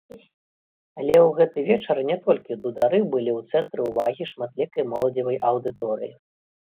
Але ў гэты вечар не толькі дудары былі ў цэнтры ўвагі шматлікай моладзевай аўдыторыі.